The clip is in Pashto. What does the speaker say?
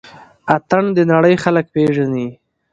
اتڼ د نړۍ خلک پيژني